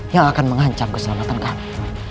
yang akan mengancam keselamatan kami